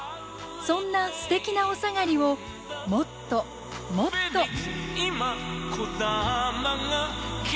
そんなステキなおさがりをもっともっと。